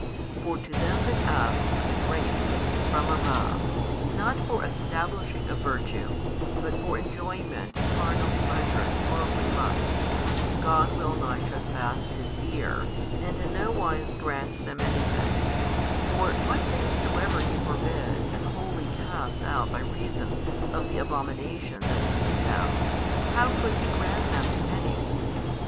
For to them that ask for the grace that is from above, not for establishing of virtue, but for enjoyment of carnal pleasure and worldly lusts, God well nigh shuts fast His ear, and in no wise grants them anything; for what things soever He forbids and wholly casts out by reason of the abomination that is in them, how could He grant them to any?